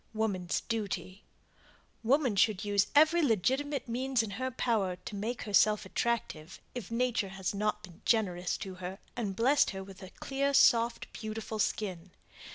WOMAN'S DUTY Woman should use every legitimate means in her power to make herself attractive if nature has not been generous to her and blessed her with a clear, soft, beautiful skin.